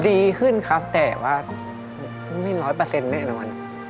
ดีขึ้นครับแต่ว่าไม่ร้อยเปอร์เซ็นแน่นอน